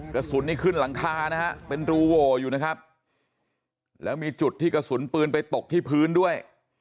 กระสุนนี้ขึ้นหลังคานะฮะเป็นรูโหวอยู่นะครับแล้วมีจุดที่กระสุนปืนไปตกที่พื้นด้วย